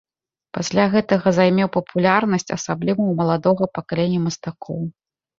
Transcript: Пасля гэтага займеў папулярнасць, асабліва ў маладога пакалення мастакоў.